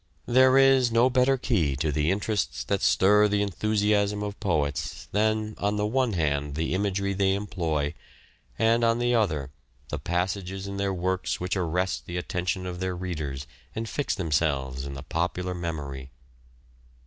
There is no better key to the interests that stir the enthusiasm of poets than, on the one hand the imagery they employ, and THE AUTHOR— GENERAL FEATURES 115 on the other the passages in their works which arrest the attention of their readers and fix themselves in the popular memory.